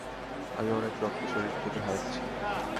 আমি অনেক রক্ত শরীর থেকে হারাচ্ছি।